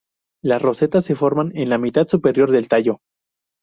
Las rosetas se forman en la mitad superior del tallo.